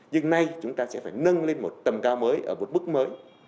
nhưng nay chúng ta sẽ phải nâng lên một tầm cao mới một bước mới